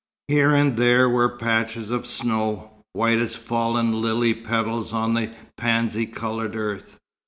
Here and there were patches of snow, white as fallen lily petals on the pansy coloured earth.